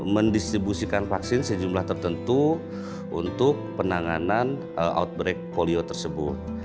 mendistribusikan vaksin sejumlah tertentu untuk penanganan outbreak polio tersebut